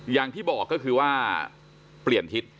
อย่างที่บอกก็คือว่าเปลี่ยนทิศ